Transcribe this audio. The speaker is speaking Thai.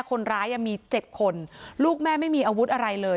คนร้ายมี๗คนลูกแม่ไม่มีอาวุธอะไรเลย